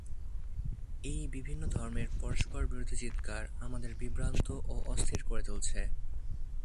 এই বিভিন্ন ধর্মের পরস্পরবিরোধী চিৎকার আমাদের বিভ্রান্ত ও অস্থির করে তুলেছে।